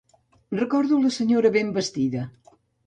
Recordo la senyora ben vestida